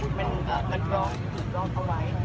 มันกระนดดรองเอาไว้